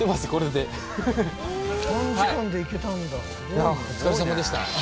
いやあお疲れさまでした。